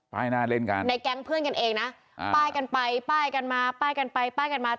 หน้าเล่นกันในแก๊งเพื่อนกันเองนะป้ายกันไปป้ายกันมาป้ายกันไปป้ายกันมา